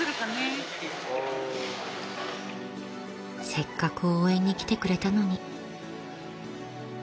［せっかく応援に来てくれたのに］